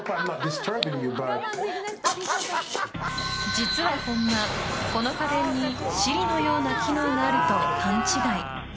実は本間、この家電にＳｉｒｉのような機能があると勘違い。